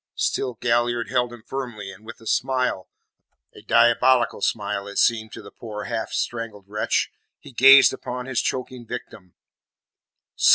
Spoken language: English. Still Galliard held him firmly, and with a smile a diabolical smile it seemed to the poor, half strangled wretch he gazed upon his choking victim.